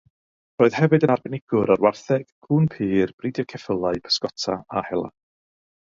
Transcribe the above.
Roedd hefyd yn arbenigwr ar wartheg, cŵn pur, bridio ceffylau, pysgota a hela.